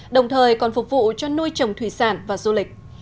đồng thời còn phục vụ cho nuôi trồng thủy sản và du lịch